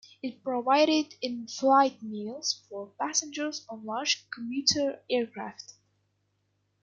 It provided in-flight meals for passengers on large commuter aircraft.